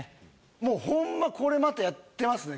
もうホンマこれまたやってますね